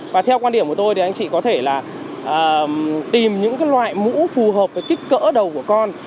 và theo quan điểm của tôi thì anh chị có thể là tìm những loại mũ phù hợp với kích cỡ đầu của con